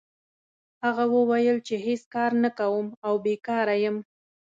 هغه وویل چې هېڅ کار نه کوم او بیکاره یم.